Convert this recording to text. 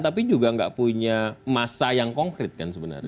tapi juga nggak punya masa yang konkret kan sebenarnya